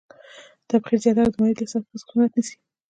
تبخیر زیاتره د مایع له سطحې څخه صورت نیسي.